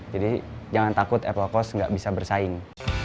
jadi jangan takut apple coast nggak bisa bersaing